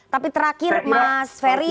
tapi terakhir mas ferry